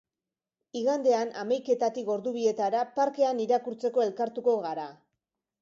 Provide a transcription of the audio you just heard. Igandean, hamaiketatik ordu bietara, parkean irakurtzeko elkartuko gara.